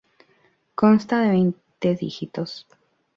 Consta de veinte dígitos.